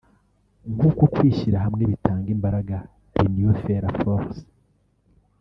kuko kwishyira hamwe bitanga imbaraga (L’union fait la force)